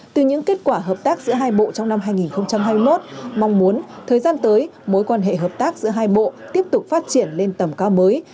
từ những kết quả hợp tác giữa hai bộ trong năm hai nghìn hai mươi một mong muốn thời gian tới mối quan hệ hợp tác giữa hai bộ tiếp tục phát triển lên tầm cao mới